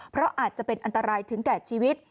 เพราะอาจจะเป็นอันตรายถึงแก่ชีวิต